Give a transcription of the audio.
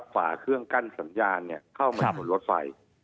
ฝ่าเครื่องกั้นสัญญาณเข้ามาบนรถไฟ